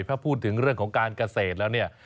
ถ้าพูดถึงเรื่องของการเกษตรแล้วเนี่ย